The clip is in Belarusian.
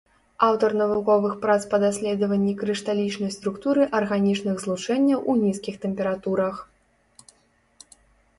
Аўтар навуковых прац па даследаванні крышталічнай структуры арганічных злучэнняў у нізкіх тэмпературах.